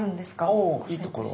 おおいいところ。